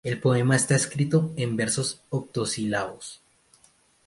El poema está escrito en versos octosílabos.